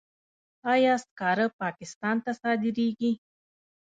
آیا سکاره پاکستان ته صادریږي؟